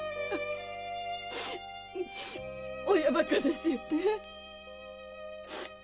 親バカですよね。